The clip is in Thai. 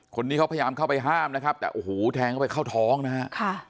คนนี้เขาพยายามเข้าไปห้ามนะครับแต่โอ้โหแทงเข้าไปเข้าท้องนะฮะ